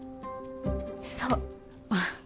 そう。